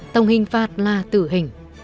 tổng hình phạt là tử hình